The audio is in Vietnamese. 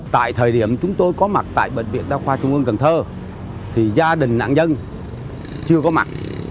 tại thời điểm chúng tôi có mặt tại bệnh viện đa khoa trung ương cần thơ thì gia đình nạn nhân chưa có mặt